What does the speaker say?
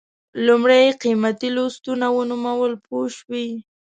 لومړی یې قیمتي لوستونه ونومول پوه شوې!.